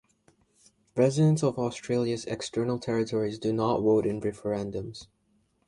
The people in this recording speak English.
Residents of Australia's external territories do not vote in referendums.